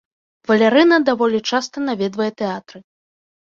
Валярына даволі часта наведвае тэатры.